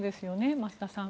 増田さん。